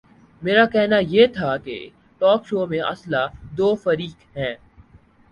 میرا کہنا یہ تھا کہ ٹاک شو میں اصلا دو فریق ہیں۔